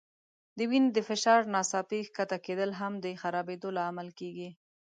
د وینې د فشار ناڅاپي ښکته کېدل هم د خرابېدو لامل کېږي.